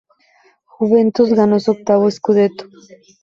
Juventus ganó su octavo "scudetto".